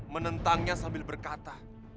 menentangnya sambil berkata